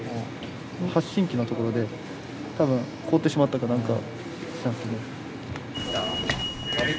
発信機のところで多分凍ってしまったか何かしたんですけど。